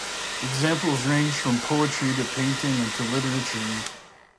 Examples range from poetry to painting and to literature.